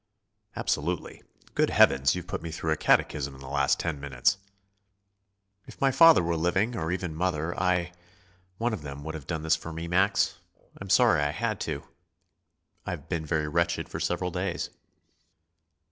"Absolutely. Good Heavens, you've put me through a catechism in the last ten minutes!" "If my father were living, or even mother, I one of them would have done this for me, Max. I'm sorry I had to. I've been very wretched for several days."